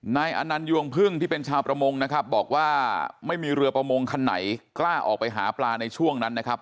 นายอนันยวงพึ่งที่เป็นชาวประมงนะครับบอกว่าไม่มีเรือประมงคันไหนกล้าออกไปหาปลาในช่วงนั้นนะครับ